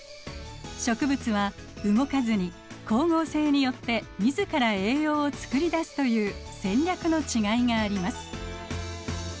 植物は動かずに光合成によって自ら栄養を作り出すという戦略のちがいがあります。